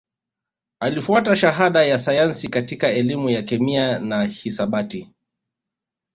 Alifuata Shahada ya Sayansi katika Elimu ya Kemia na Hisabati